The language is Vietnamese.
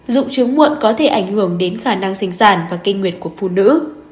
dụng chứng muộn có thể ảnh hưởng đến khả năng sinh sản và kinh nguyệt của phụ nữ